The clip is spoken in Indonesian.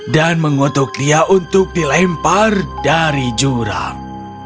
dan mengutuk dia untuk dilempar dari jurang